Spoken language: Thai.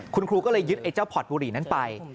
คุณครูก็เลยยึดไอ้เจ้าพอร์ตบุหรี่นั้นไป